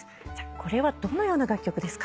これはどのような楽曲ですか？